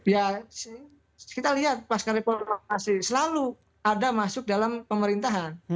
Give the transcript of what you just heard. ya kita lihat pasca reformasi selalu ada masuk dalam pemerintahan